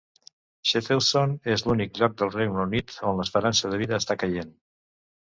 Shettleston és l'únic lloc del Regne Unit on l'esperança de vida està caient.